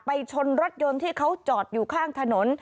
ชนรถยนต์ที่เขาจอดอยู่ข้างถนน